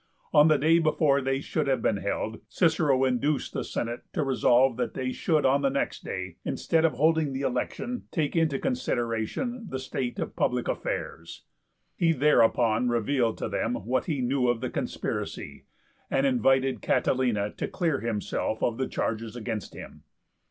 On the day before they should have been held, Cicero induced the Senate to resolve that they should on the next day, instead of holding the election, take into consideration the state of public affairs. He thereupon revealed to them what he knew of the conspiracy, and invited Catilina to clear himself of the charges against him.